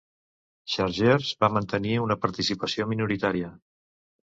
Chargeurs va mantenir una participació minoritària.